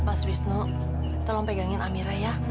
mas wisnu tolong pegangin amira ya